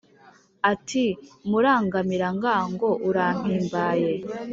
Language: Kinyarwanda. Ati: "Murangamirangango, urampimbaye,